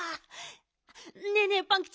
ねえねえパンキチ